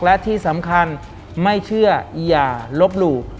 และที่สำคัญไม่เชื่ออย่าลบหลู่